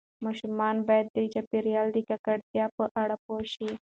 ماشومان باید د چاپیریال د ککړتیا په اړه پوه شي.